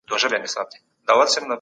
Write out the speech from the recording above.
هغه وويل چي غوسه مه کوئ.